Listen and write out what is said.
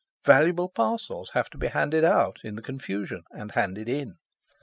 Valuable parcels have to be handed out in the confusion, and handed in.